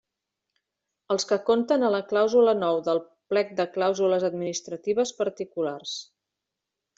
Els que conten a la clàusula nou del plec de clàusules administratives particulars.